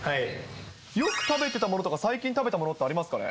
よく食べてたものとか、最近食べたものってありますかね？